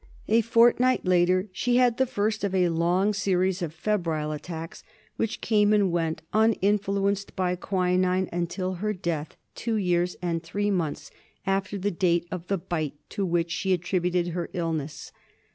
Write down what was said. A fortnight later she had the first of a long series of febrile attacks which came and went, uninfluenced by quinine, until her death two years and three months after the date of the bite to which she attributed her illness.